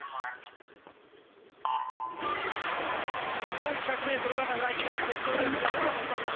男子１００ｍバタフライ決勝レースがスタートしました。